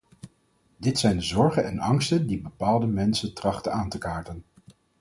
Dit zijn de zorgen en angsten die bepaalde mensen trachten aan te kaarten.